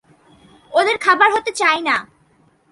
ওদের খাবার হতে চাই না।